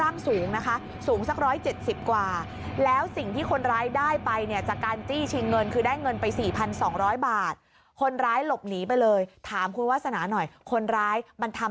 มันทำอะไรมันทำร้ายคุณวาสนาไหมคะ